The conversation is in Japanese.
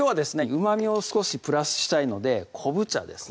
うまみを少しプラスしたいので昆布茶ですね